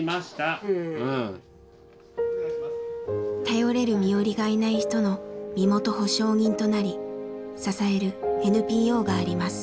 頼れる身寄りがいない人の身元保証人となり支えるＮＰＯがあります。